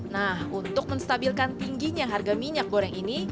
nah untuk menstabilkan tingginya harga minyak goreng ini